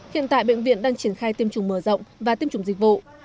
hiện tại bệnh viện đang triển khai tiêm chủng mở rộng và tiêm chủng dịch vụ